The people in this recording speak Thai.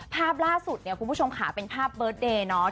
ภาพล่าสุดเนี่ยคุณผู้ชมค่ะเป็นภาพเบิร์ตเดย์เนาะ